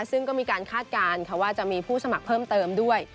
ซึ่งก็มีการคาดการณ์ว่าจะมีผู้สมัครเพิ่มเติมด้วย